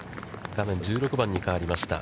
画面１６番に変わりました。